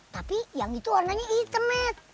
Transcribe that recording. tapi yang itu warnanya hitam met